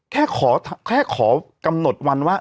แค่ขอกำหนดวันว่า